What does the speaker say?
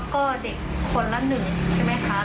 พวกคล้องกำลังรอเลี้ยวกำลังจะเข้ามาในศูนย์